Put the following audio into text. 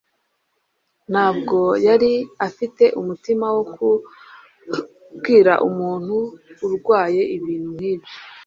Ntabwo yari afite umutima wo kubwira umuntu urwaye ibintu nk'ibyo.